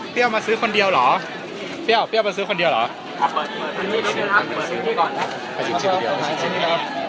มาซื้อคนเดียวเหรอเปรี้ยวเปรี้ยวมาซื้อคนเดียวเหรอ